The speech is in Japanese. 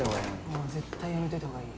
うん絶対やめといた方がいい。